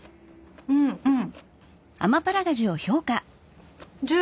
うんうん！